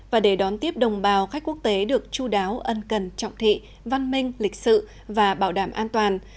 và để đón tiếp đồng bào khách quốc tế được chú đáo ân cần trọng thị văn minh lịch sự và bảo đảm an toàn